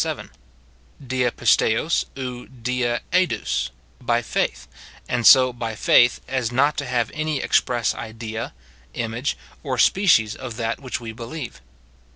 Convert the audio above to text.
7; — .^la 'nia suc, ou 6m fl'^ojg* by faith, and so by faith as not to have any express idea, image, or species of that which we believe.